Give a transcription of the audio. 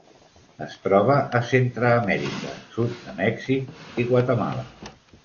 Es troba a Centreamèrica: sud de Mèxic i Guatemala.